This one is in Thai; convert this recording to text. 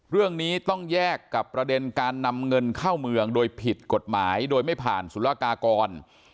เรื่องนี้ต้องแยกกับประเด็นการนำเงินเข้าเมืองโดยผิดกฎหมายโดยไม่ผ่านสุรกากร